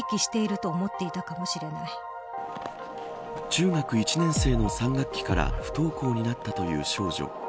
中学１年生の３学期から不登校になったという少女。